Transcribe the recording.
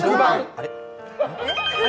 あれ？